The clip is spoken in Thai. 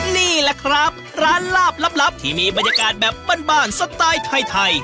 นี่แหละครับร้านลาบลับที่มีบรรยากาศแบบบ้านสไตล์ไทย